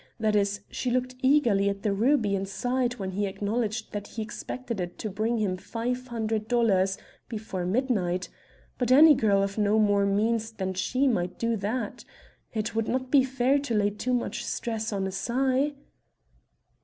That is, she looked eagerly at the ruby and sighed when he acknowledged that he expected it to bring him five hundred dollars before midnight. But any girl of no more means than she might do that. It would not be fair to lay too much stress on a sigh."